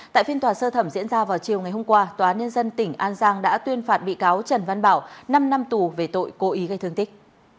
tại phiên tòa sơ thẩm diễn ra vào chiều ngày hôm qua tòa nhân dân tỉnh an giang đã tuyên phạt bị cáo trần văn bảo năm năm tù về tội cố ý gây thương tích